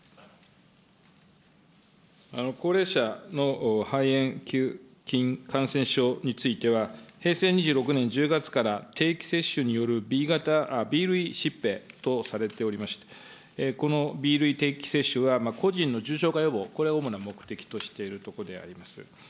高齢者の肺炎球菌感染症については、平成２６年１０月から、定期接種によるＢ類疾病とされておりまして、このＢ類定期接種は、個人の重症化予防、これを主な目的としているところであります。